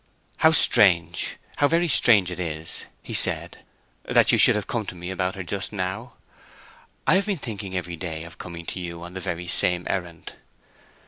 "How strange, how very strange it is," he said, "that you should have come to me about her just now. I have been thinking every day of coming to you on the very same errand."